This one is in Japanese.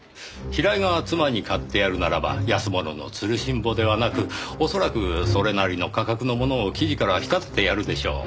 平井が妻に買ってやるならば安物の吊るしんぼではなく恐らくそれなりの価格のものを生地から仕立ててやるでしょう。